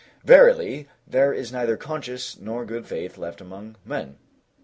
Verily, there is neither conscience nor good faith left among men!"